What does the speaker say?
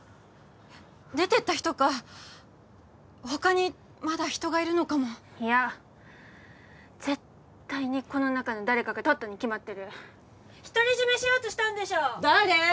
出てった人か他にまだ人がいるのかもいや絶対にこの中の誰かがとったに決まってる独り占めしようとしたんでしょ誰？